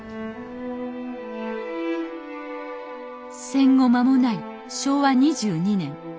戦後間もない昭和２２年。